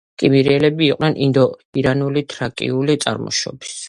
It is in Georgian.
კიმერიელები იყვნენ ინდო-ირანული და თრაკიული წარმოშობის.